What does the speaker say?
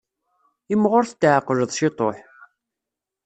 Imɣur tetɛeqqleḍ ciṭuḥ.